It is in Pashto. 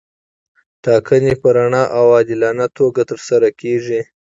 ټاکنې په رڼه او عادلانه توګه ترسره کیږي.